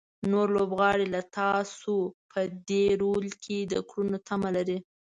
نور لوبغاړي له تاسو په دې رول کې د کړنو تمه لري.